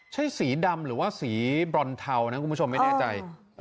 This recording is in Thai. ใช่สีดำหรือว่าสีบรอนเทานะคุณผู้ชมไม่แน่ใจ